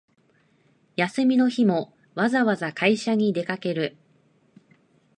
休みの日もわざわざ会社に出かける